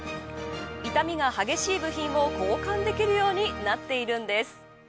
傷みが激しい部品を交換できるようになっているんです。